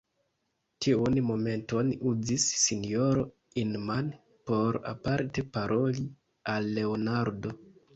Tiun momenton uzis sinjoro Inman, por aparte paroli al Leonardo.